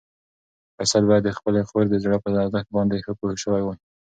فیصل باید د خپلې خور د زړه په ارزښت باندې ښه پوه شوی وای.